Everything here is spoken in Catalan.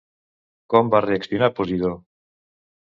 Com va reaccionar Posidó?